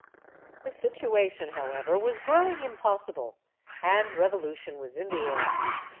The situation, however, was growing impossible, and revolution was in the air.